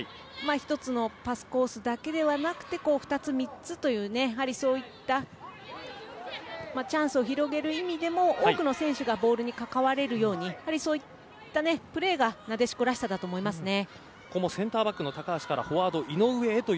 １つのパスコースだけではなくて２つ、３つという、そういったチャンスを広げる意味でも多くの選手がボールに関われるようにそういったプレーがなでしこらしさだと思いますね。